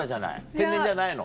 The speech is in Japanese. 天然じゃないの？